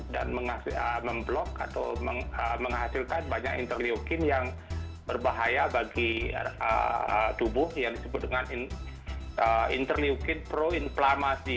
dan memblok atau menghasilkan banyak interleukin yang berbahaya bagi tubuh yang disebut dengan interleukin pro inflamasi